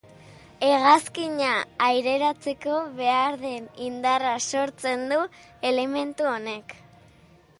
Hegazkina aireratzeko behar den indarra sortzen du elementu honek.